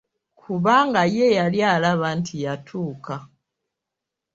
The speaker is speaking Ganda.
Kubanga ye yali alaba nti yatuuka!